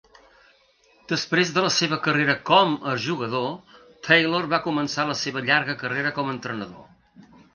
Després de la seva carrera com a jugador, Taylor va començar la seva llarga carrera com entrenador.